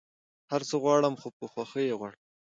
هر څه غواړم خو په خوښی يي غواړم